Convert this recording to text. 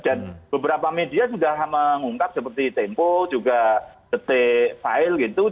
dan beberapa media sudah mengungkap seperti tempo juga detik fail gitu